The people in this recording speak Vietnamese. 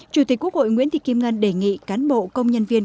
chủ tịch quốc hội nguyễn thị kim ngân đề nghị cán bộ công nhân viên